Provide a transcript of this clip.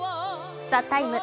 「ＴＨＥＴＩＭＥ，」